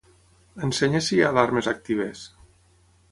Ensenya si hi ha alarmes actives.